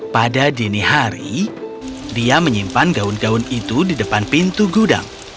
pada dini hari dia menyimpan gaun gaun itu di depan pintu gudang